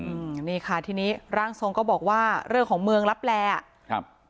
อืมนี่ค่ะทีนี้ร่างทรงก็บอกว่าเรื่องของเมืองลับแลอ่ะครับ